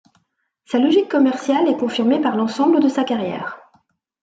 Sa logique commerciale est confirmée par l'ensemble de sa carrière.